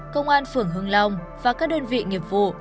công an phường hưng long và các đơn vị nghiệp vụ